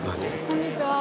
こんにちは。